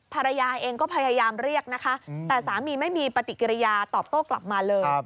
ภรรยาเองก็พยายามเรียกนะคะแต่สามีไม่มีปฏิกิริยาตอบโต้กลับมาเลย